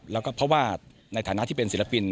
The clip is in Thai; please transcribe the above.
แล้วก็เพราะว่าในฐานะที่เป็นศิลปิน